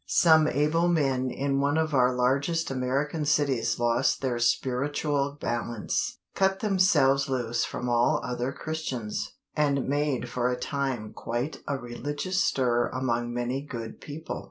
Some able men in one of our largest American cities lost their spiritual balance, cut themselves loose from all other Christians, and made for a time quite a religious stir among many good people.